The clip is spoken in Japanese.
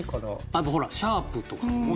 あとほらシャープとか。